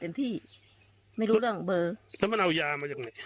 เต็มที่ไม่รู้เรื่องเบอร์แล้วมันเอายามายังไง